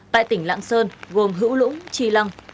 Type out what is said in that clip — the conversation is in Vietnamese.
tại tỉnh lãng sơn gồm hữu lũng trì lăng